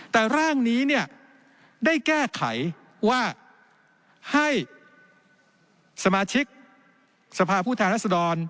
แต่ร่างนี้ได้แก้ไขว่าให้สมาชิกสภาพผู้ทางรัฐศดรรย์